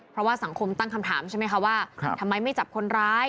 เพราะว่าสังคมตั้งคำถามใช่ไหมคะว่าทำไมไม่จับคนร้าย